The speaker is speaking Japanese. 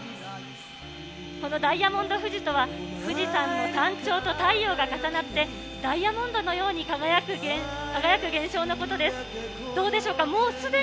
このダイヤモンド富士とは、富士山の山頂と太陽が重なって、ダイヤモンドのように輝く現象のことです。